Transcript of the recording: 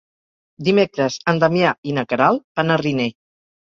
Dimecres en Damià i na Queralt van a Riner.